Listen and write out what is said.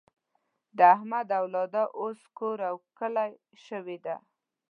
د احمد اولاده اوس کور او کلی شوې ده.